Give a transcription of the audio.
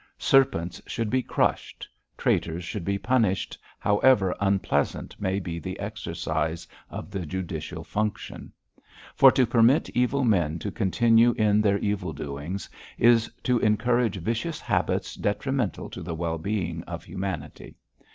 Serpents should be crushed, traitors should be punished, however unpleasant may be the exercise of the judicial function; for to permit evil men to continue in their evil doing is to encourage vicious habits detrimental to the well being of humanity.